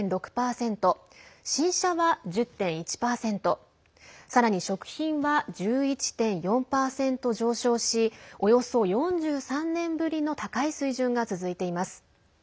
新車は１０．１％さらに食品は１１．４％上昇しおよそ４３年ぶりの高い水準が続いています。